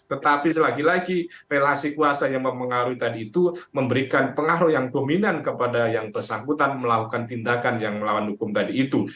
tetapi selagi lagi relasi kuasa yang mempengaruhi tadi itu memberikan pengaruh yang dominan kepada yang bersangkutan melakukan tindakan yang melawan hukum tadi itu